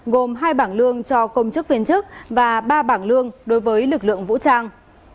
gồm hai bảng lương cho công chức viên chức và ba bảng lương đối với lực lượng vũ trang